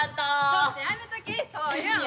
ちょっとやめときそういうん。